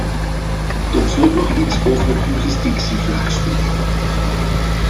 Tot slot nog iets over het jurisdictievraagstuk.